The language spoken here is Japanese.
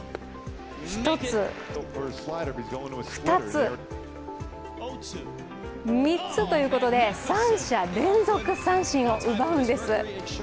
１つ、２つ、３つということで、三者連続三振を奪うんです。